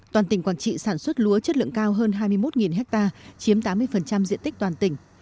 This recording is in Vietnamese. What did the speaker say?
toàn tỉnh quảng trị sản xuất lúa chất lượng cao hơn hai mươi một ha chiếm tám mươi diện tích toàn tỉnh